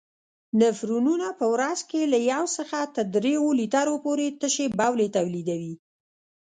نفرونونه په ورځ کې له یو څخه تر دریو لیترو پورې تشې بولې تولیدوي.